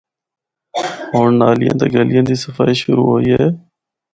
ہونڑ نالیاں تے گلیاں دی صفائی شروع ہوئی ہے۔